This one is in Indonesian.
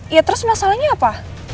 ya terus masalahnya apa